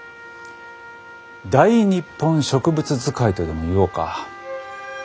「大日本植物図解」とでも言おうか。